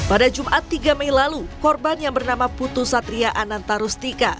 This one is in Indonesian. pada jumat tiga mei lalu korban yang bernama putu satria ananta rustika